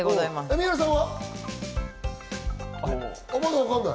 三浦さんは？